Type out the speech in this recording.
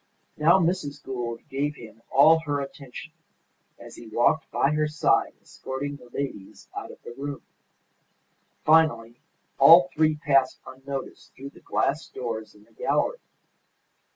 Now, Mrs. Gould gave him all her attention as he walked by her side escorting the ladies out of the room. Finally all three passed unnoticed through the glass doors in the gallery.